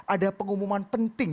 ada pengumuman penting